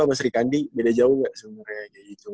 sama sri kandi beda jauh gak seumurnya gitu